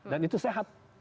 dan itu sehat